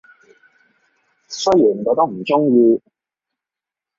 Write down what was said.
雖然我都唔鍾意